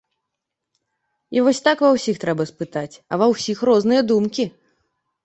І вось так ва ўсіх трэба спытаць, а ва ўсіх розныя думкі.